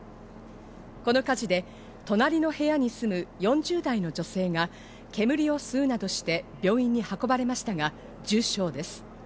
この火事で隣の部屋に住む４０代の女性が煙を吸うなどして病院に運ばれましたが重傷です。